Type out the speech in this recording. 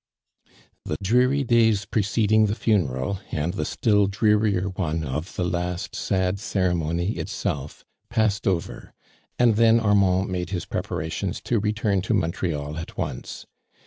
The dreary days preceding the funeral, nnd the still drearier one of the last sad ceremony itself, passed over, and thei* Armand made his preparations to return ta Montreal at once.